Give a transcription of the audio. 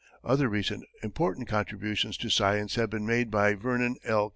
Other recent important contributions to science have been made by Vernon L.